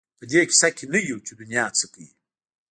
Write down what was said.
په دې کيسه کې نه یو چې دنیا څه کوي.